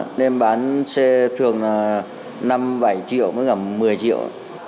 bạn em bán xe thường là năm bảy triệu mới gặp một mươi triệu